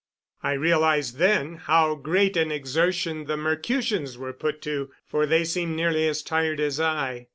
I realized then how great an exertion the Mercutians were put to, for they seemed nearly as tired as I.